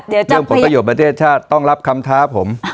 เรื่องผลประโยชน์ประเทศชาติต้องรับคำท้าผม